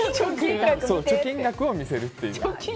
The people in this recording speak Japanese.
貯金額を見せるっていう。